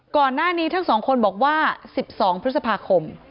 ก่อนหน้านี้ทั้ง๒คนบอกว่า๑๒พฤษภาคม